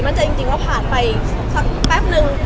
มั่นใจจริงว่าผ่านไปสักแป๊บนึง